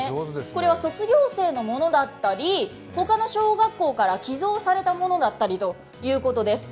これは卒業生のものだったり他の小学校から寄贈されたものだったりするそうです。